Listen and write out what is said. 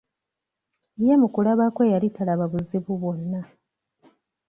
ye mu kulaba kwe yali talaba buzibu bwonna.